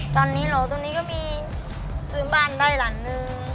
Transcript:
ตอนนี้โหลตรงนี้ก็มีซื้อบ้านได้หลังนึง